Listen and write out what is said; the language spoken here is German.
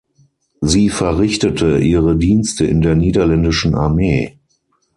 Sie verrichtete ihre Dienste in der niederländischen Armee.